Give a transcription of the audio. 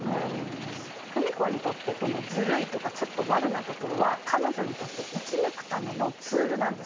芙美子にとってこのズルいとかちょっとワルなところは彼女にとって生き抜くためのツールなんです。